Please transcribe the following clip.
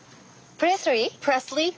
プレスリー？